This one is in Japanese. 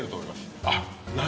「何？